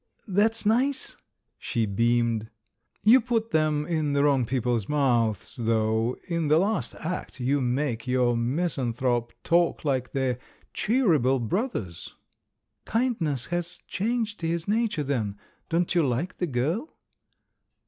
"That's nice!" She beamed. "You put them in the wrong people's mouths, though. In the last act, you make your misan thrope talk like the Cheeryble Brothers." "Kindness has changed his nature then. Don't you like the girl?"